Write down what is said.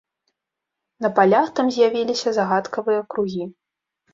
На палях там з'явіліся загадкавыя кругі.